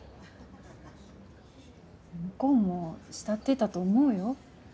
向こうも慕ってたと思うよ。